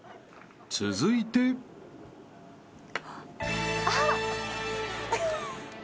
［続いて］あっ。